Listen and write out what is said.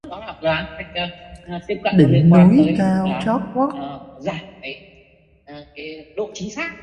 Đỉnh núi cao trót vót